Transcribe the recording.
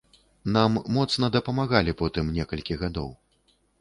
Нам моцна дапамагалі потым, некалькі гадоў.